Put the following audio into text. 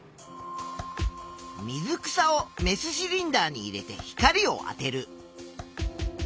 水草をメスシリンダーに入れて光をあてる。